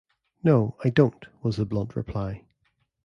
"No, I don't," was the blunt reply.